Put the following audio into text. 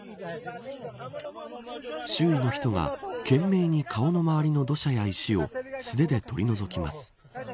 周囲の人が懸命に顔の周りの土砂や石を素手で取り除きます。